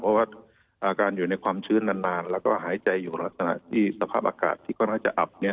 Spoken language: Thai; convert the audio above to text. เพราะว่าการอยู่ในความชื้นนานแล้วก็หายใจอยู่ลักษณะที่สภาพอากาศที่ค่อนข้างจะอับเนี่ย